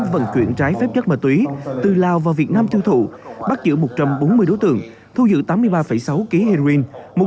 vận chuyển trái phép chất ma túy từ lào vào việt nam tiêu thụ bắt giữ một trăm bốn mươi đối tượng thu giữ tám mươi ba sáu ký heroin